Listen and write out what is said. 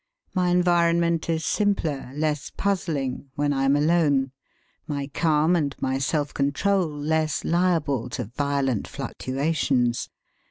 My environment is simpler, less puzzling, when I am alone, my calm and my self control less liable to violent fluctuations.